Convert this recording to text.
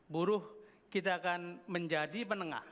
buruh kita akan menjadi penengah